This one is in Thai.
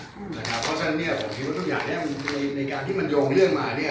เพราะฉะนั้นผมคิดว่าทุกอย่างในการที่มันโยงเรื่องมา